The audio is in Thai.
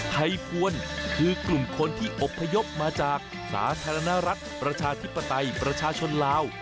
ไทยพวนคือกลุ่มคนที่อบพยพมาจากสาธารณรัฐประชาธิปไตยประชาชนลาว